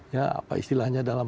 ya apa istilahnya dalam